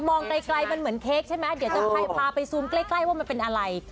มองไกลมันเหมือนเค้กใช่ไหมเดี๋ยวจะพาไปซูมใกล้ว่ามันเป็นอะไร